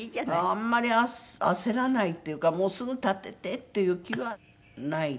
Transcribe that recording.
あんまり焦らないっていうかもうすぐ建ててっていう気はないっていうか。